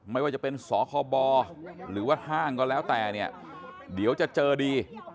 ไม่ว่าจะเป็นสคบหรือว่าห้างก็แล้วแต่เนี่ยเดี๋ยวจะเจอดี